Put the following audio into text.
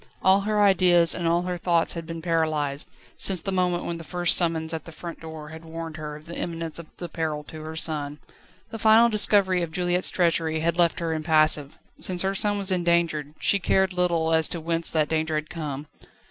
All her ideas and all her thoughts had been paralysed, since the moment when the first summons at the front door had warned her of the imminence of the peril to her son. The final discovery of Juliette's treachery had left her impassive. Since her son was in danger, she cared little as to whence that danger had come.